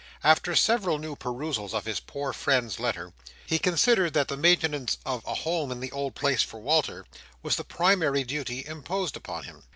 After several new perusals of his poor friend's letter, he considered that the maintenance of "a home in the old place for Walter" was the primary duty imposed upon him.